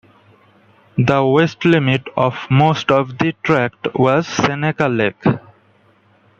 The west limit of most of the tract was Seneca Lake.